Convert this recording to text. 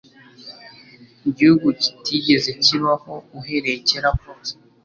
Igihugu kitigeze kibaho uhereye kera kose